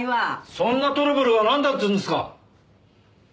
そんなトラブルがなんだっていうんですか！？